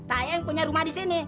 saya yang punya rumah disini